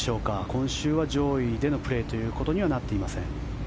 今週は上位でのプレーということにはなっていません。